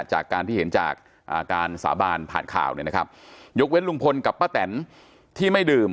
จากการที่เห็นจากการสาบานผ่านข่าวเนี่ยนะครับยกเว้นลุงพลกับป้าแตนที่ไม่ดื่ม